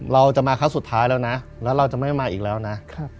เราจะมาครั้งสุดท้ายแล้วนะแล้วเราจะไม่มาอีกแล้วนะ